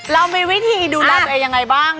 เรามีวิธีดูแลตัวเองยังไงบ้าง